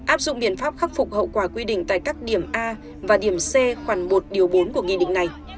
áp dụng biện pháp khắc phục hậu quả quy định tại các điểm a và điểm c khoảng một điều bốn của nghị định này